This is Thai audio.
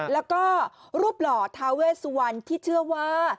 แล้วก็รูปหล่อทาเวสวันที่เชื่อว่า